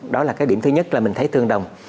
đó là cái điểm thứ nhất là mình thấy tương đồng